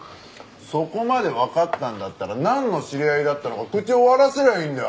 そこまでわかったんだったらなんの知り合いだったのか口を割らせりゃいいんだよ